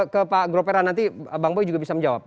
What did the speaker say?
ke pak gropera nanti bang boy juga bisa menjawab